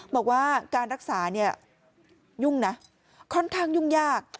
บอกว่าการรักษาเนี่ยยุ่งนะค่อนข้างยุ่งยาก